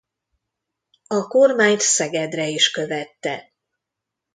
A kormányt Szegedre is követte.